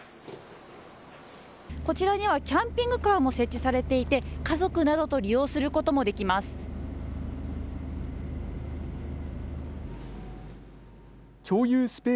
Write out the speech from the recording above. こちらにはキャンピングカーも設置されていて家族などと利用することもできます。